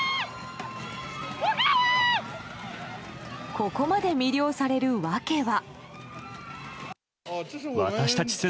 ここまで魅了される訳は。